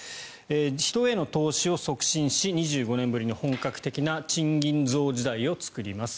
人への投資を促進し２５年ぶりの本格的な賃金増時代を作ります